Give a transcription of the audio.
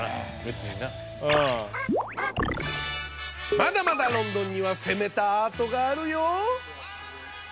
まだまだロンドンには攻めたアートがあるよ！